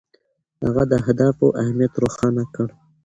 هغه د اهدافو اهمیت روښانه کړ.